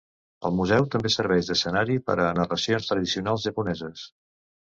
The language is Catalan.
El museu també serveix d'escenari per a narracions tradicionals japoneses.